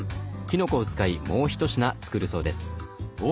きのこを使いもう１品作るそうです。